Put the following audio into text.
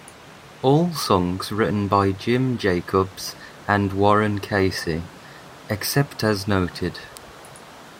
All songs written by Jim Jacobs and Warren Casey, except as noted.